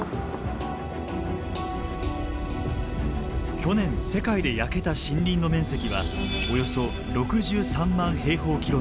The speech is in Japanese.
去年世界で焼けた森林の面積はおよそ６３万。